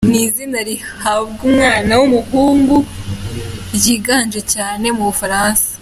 Ni izina rihabwa umwana w’umuhungu ryiganje cyane mu Bufaransa.